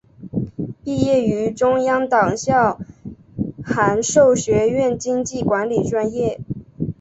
毕业于中央党校函授学院经济管理专业。